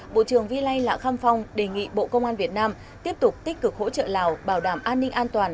bộ trưởng vy lai lạ kham phong đề nghị bộ công an việt nam tiếp tục tích cực hỗ trợ lào bảo đảm an ninh an toàn